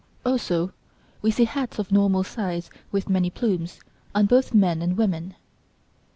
Also we see hats of normal size with many plumes, on both men and women.